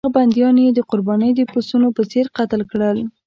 هغه بندیان یې د قربانۍ د پسونو په څېر قتل کړل.